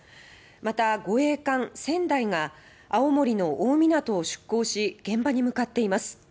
また、護衛艦「せんだい」が青森の大湊を出港し現場に向かっています。